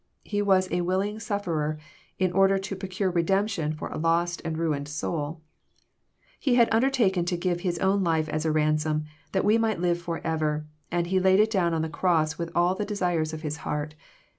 He was a willing Sufferer in order to pro cure redemption for a lost and ruined soul. He had undertaken to give His own life as a ransom, that we might live forever, and He laid it down on the cross with all the desire of Hir, heai*t.